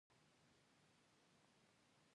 د دعا ژبه د روح تغذیه ده.